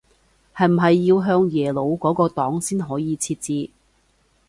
係唔係要向耶魯嗰個檔先可以設置